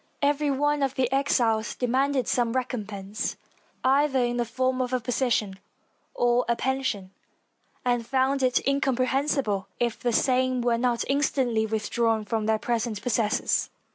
Every one of the exiles demanded some recompense, either in the form of a position or a pension, and found it incomprehensible if the same were not instantly withdrawn from their present possessors.